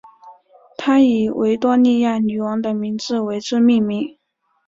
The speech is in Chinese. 他以维多利亚女王的名字为之命名。